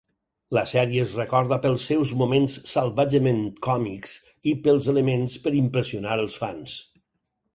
La sèrie es recorda pels seus moments salvatgement "còmics" i pels elements per impressionar els fans.